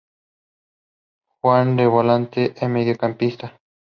Juega de volante o mediocampista.